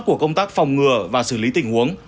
của công tác phòng ngừa và xử lý tình huống